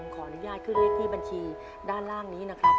ขออนุญาตขึ้นเลขที่บัญชีด้านล่างนี้นะครับ